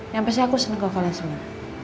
yang pasti aku seneng kok kalian semua